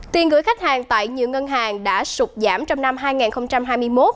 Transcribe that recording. tiền gửi khách hàng tại nhiều ngân hàng đã sụt giảm trong năm hai nghìn hai mươi một